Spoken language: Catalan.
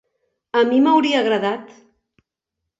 A mi m'hauria agradat.